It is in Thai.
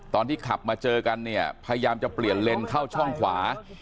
ตอนที่ขับมาเจอกันเนี่ยพยายามจะเปลี่ยนเลนเข้าช่องขวา